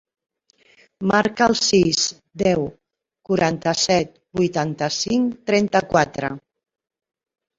Marca el sis, deu, quaranta-set, vuitanta-cinc, trenta-quatre.